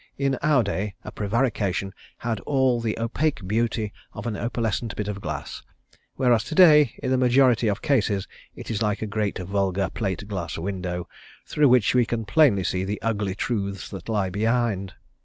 In our day a prevarication had all of the opaque beauty of an opalescent bit of glass, whereas to day in the majority of cases it is like a great vulgar plate glass window, through which we can plainly see the ugly truths that lie behind.